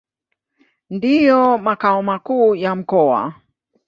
Ndio makao makuu ya mkoa.